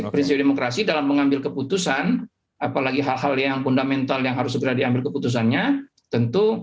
prinsip demokrasi dalam mengambil keputusan apalagi hal hal yang fundamental yang harus segera diambil keputusannya tentu